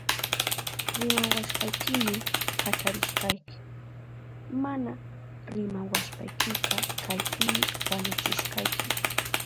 Rimawashpaykimi kacharishkayki. Mana rimawashpaykika kaypimi wañuchishkayki.